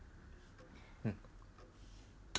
うん。